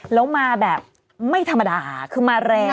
แล้วมาแบบไม่ธรรมดาคือมาแรง